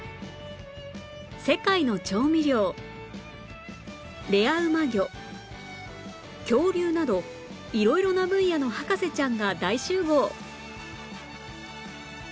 世界の調味料レアうま魚恐竜など色々な分野の博士ちゃんが大集合！